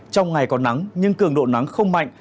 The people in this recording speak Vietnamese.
trong ngày có nắng nhưng cường độ nắng không mạnh